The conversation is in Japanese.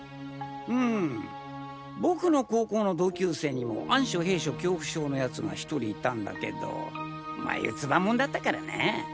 うん僕の高校の同級生にも暗所閉所恐怖症の奴が１人いたんだけどマユツバもんだったからなぁ。